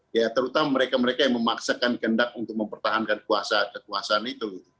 ya terutama mereka mereka yang memaksakan kendak untuk mempertahankan kekuasaan itu